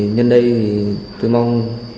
nhân đây tôi mong